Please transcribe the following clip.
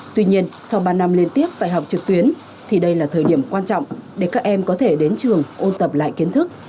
tuy nhiên sau ba năm liên tiếp phải học trực tuyến thì đây là thời điểm quan trọng để các em có thể đến trường ôn tập lại kiến thức